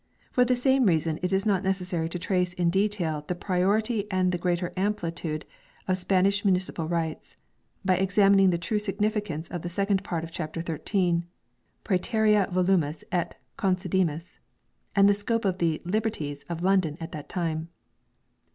For the same reason it is not necessary to trace in detail the priority and the greater amplitude of Spanish municipal rights by examining the true significance of the second part of chapter 13 " praeterea volumus et concedimus" and the scope of the " liberties " of London at that time.